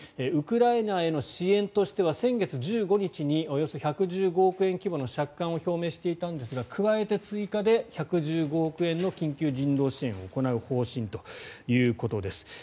ウクライナへの支援としては先月１５日におよそ１１５億円規模の借款を表明していたんですが加えて、追加で１１５億円の緊急人道支援を行う方針ということです。